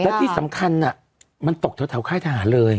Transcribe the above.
แล้วที่สำคัญน่ะมันตกแถวค่ายทางหาดเลย